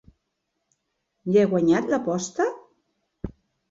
Ja he guanyat l'aposta?